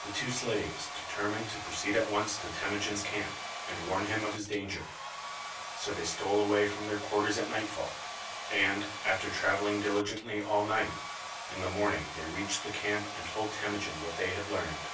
The two slaves determined to proceed at once to Temujin's camp and warn him of his danger. So they stole away from their quarters at nightfall, and, after traveling diligently all night, in the morning they reached the camp and told Temujin what they had learned.